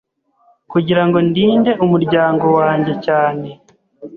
kugirango ndinde umuryango wanjye cyane